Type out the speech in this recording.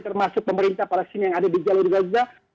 termasuk pemerintah palestina yang ada di jalur gaza